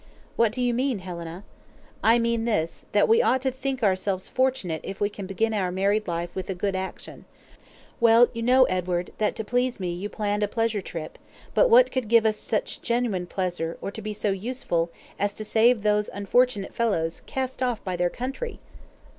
"What do you mean, Helena?" "I mean this, that we ought to think ourselves fortunate if we can begin our married life with a good action. Well, you know, Edward, that to please me you planned a pleasure trip; but what could give us such genuine pleasure, or be so useful, as to save those unfortunate fellows, cast off by their country?"